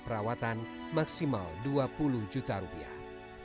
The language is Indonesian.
perawatan maksimal dua puluh juta rupiah